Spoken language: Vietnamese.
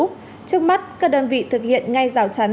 trước mắt các đơn vị thực hiện ngay rào chắn